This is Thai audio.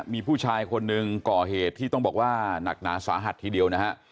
มีผู้ชายคนหนึ่งก่อเหตุที่ต้องบอกว่าหนักหนาสาหัสทีเดียวนะฮะ